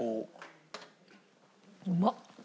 うまっ！